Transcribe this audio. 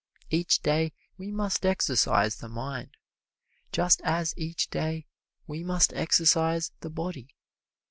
Each day we must exercise the mind, just as each day we must exercise the body.